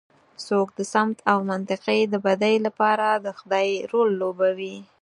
څوک د سمت او منطقې د بدۍ لپاره د خدۍ رول لوبوي.